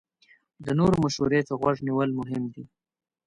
د نورو مشورې ته غوږ نیول مهم دي.